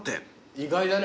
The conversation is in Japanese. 意外だね